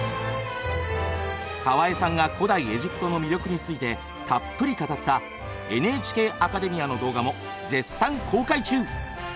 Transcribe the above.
河江さんが古代エジプトの魅力についてたっぷり語った「ＮＨＫアカデミア」の動画も絶賛公開中！